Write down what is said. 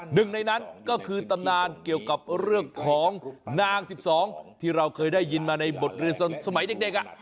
หนึ่งในนั้นก็คือตำนานเกี่ยวกับเรื่องของนาง๑๒ที่เราเคยได้ยินมาในบทเรียนสมัยเด็ก